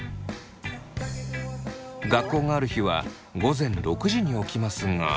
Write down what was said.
学校がある日は午前６時に起きますが。